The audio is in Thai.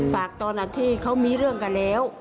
ฝากตอนนั้นที่เขามีเรื่องกันแล้ว